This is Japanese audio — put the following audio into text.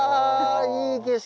いい景色。